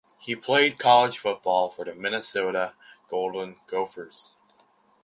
He played college football for the Minnesota Golden Gophers.